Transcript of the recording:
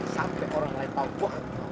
sampai orang lain tau wah